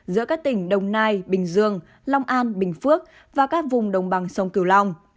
giữa các tỉnh đồng nai bình dương long an bình phước và các vùng đồng bằng sông cửu long